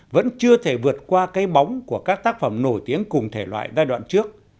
vẫn chưa thể vượt qua cây bóng của các tác phẩm nổi tiếng cùng thể loại giai đoạn trước